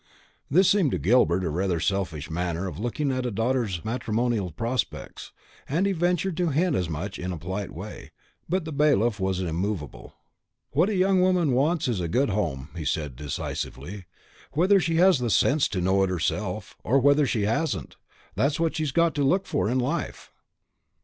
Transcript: This seemed to Gilbert rather a selfish manner of looking at a daughter's matrimonial prospects, and he ventured to hint as much in a polite way. But the bailiff was immovable. "What a young woman wants is a good home," he said decisively; "whether she has the sense to know it herself, or whether she hasn't, that's what she's got to look for in life."